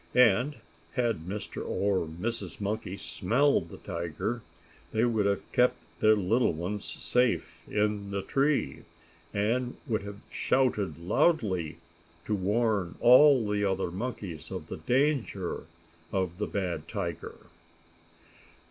And, had Mr. or Mrs. Monkey smelled the tiger, they would have kept their little ones safe in the tree, and would have shouted loudly, to warn all the other monkeys of the danger of the bad tiger.